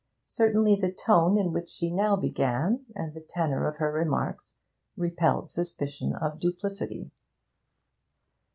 Certainly the tone in which she now began, and the tenor of her remarks, repelled suspicion of duplicity.